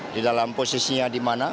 di dalam posisinya di mana